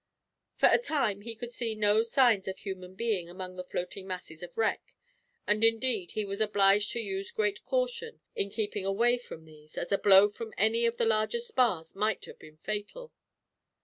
For a time, he could see no signs of a human being among the floating masses of wreck; and indeed, he was obliged to use great caution in keeping away from these, as a blow from any of the larger spars might have been fatal.